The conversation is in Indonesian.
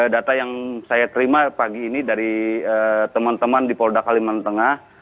data yang saya terima pagi ini dari teman teman di polda kalimantan tengah